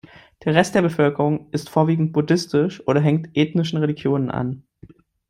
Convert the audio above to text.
Der Rest der Bevölkerung ist vorwiegend buddhistisch oder hängt ethnischen Religionen an.